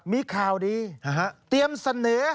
มีข่าวดีเตรียมเสนอ